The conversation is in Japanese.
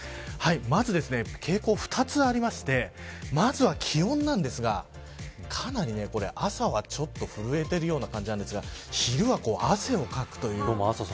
まず傾向２つありましてまずは気温なんですがかなり、朝はちょっと震えているような感じですが今日も朝寒かった。